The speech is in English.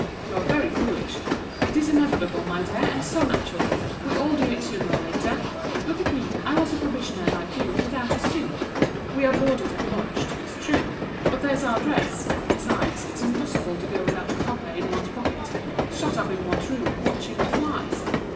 you are very foolish. It's inevitable, my dear, and so natural. We all do it sooner or later. Look at me, I was a probationer, like you, without a sou. We are boarded and lodged, it's true; but there's our dress; besides, it's impossible to go without a copper in one's pocket, shut up in one's room, watching the flies.